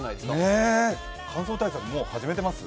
乾燥対策、もう始めてます？